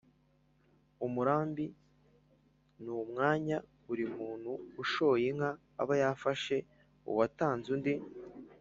umurambi ni umwanya buri muntu ushoye inka aba yafashe uwatanze undi